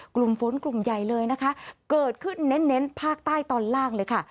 กลุ่มฝนกลุ่มใหญ่เลยนะคะเกิดขึ้นเน้นภาคใต้ตอนล่างเลยค่ะ